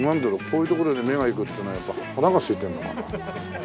こういう所で目がいくっていうのはやっぱ腹がすいてるのかな？